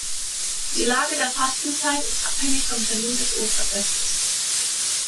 Die Lage der Fastenzeit ist abhängig vom Termin des Osterfestes.